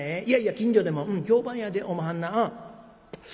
いやいや近所でも評判やでおまはんな。